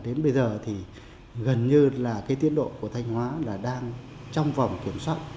đến bây giờ thì gần như là cái tiến độ của thanh hóa là đang trong vòng kiểm soát